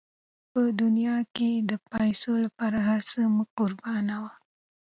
په دنیا کې د پیسو لپاره هر څه مه قربانوه.